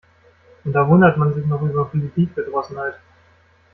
Und da wundert man sich noch über Politikverdrossenheit.